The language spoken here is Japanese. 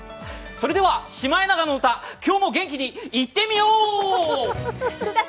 それでは「シマエナガの歌」、今日も元気にいってみよう。